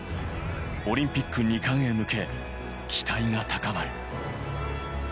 オリンピック２冠へ向け、期待が高まる。